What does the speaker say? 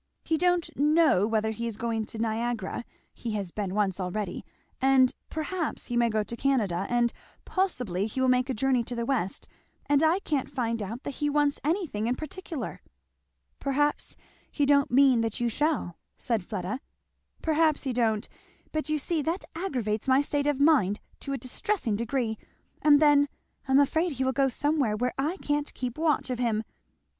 He don't snow whether he is going to Niagara, he has been once already and 'perhaps' he may go to Canada, and 'possibly' he will make a journey to the West, and I can't find out that he wants anything in particular." "Perhaps he don't mean that you shall," said Fleda. "Perhaps he don't; but you see that aggravates my state of mind to a distressing degree. And then I'm afraid he will go somewhere where I can't keep watch of him!